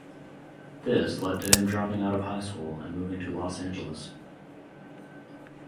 This led to him dropping out of high school and moving to Los Angeles.